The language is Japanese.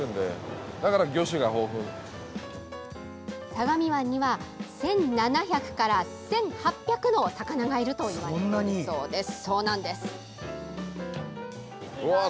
相模湾には１７００から１８００の魚がいるといわれているそうです。